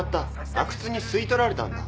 阿久津に吸い取られたんだ。